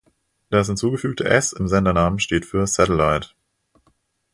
Das hinzugefügte „S“ im Sendernamen steht für „Satellite“.